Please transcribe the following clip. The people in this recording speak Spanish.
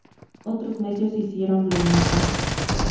Otros medios hicieron lo mismo.